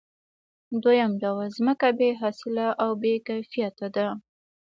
دویم ډول ځمکه بې حاصله او بې کیفیته ده